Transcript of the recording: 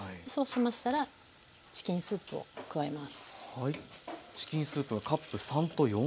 そうしましたらチキンスープを加えます。